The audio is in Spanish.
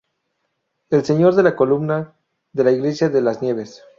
El "Señor de la Columna" de la Iglesia de Las Nieves.